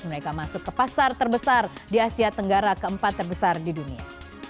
mereka masuk ke pasar terbesar di asia tenggara keempat terbesar di dunia